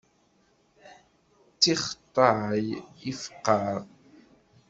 D tixeṭṭay i ifeqqeε.